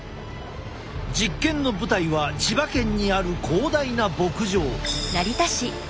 実験の舞台は千葉県にある広大な牧場。